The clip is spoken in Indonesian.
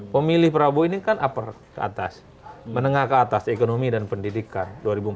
pemilih prabowo ini kan upper ke atas menengah ke atas ekonomi dan pendidikan